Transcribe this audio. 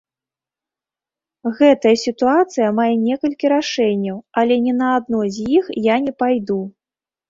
Гэтая сітуацыя мае некалькі рашэнняў, але ні на адно з іх я не пайду.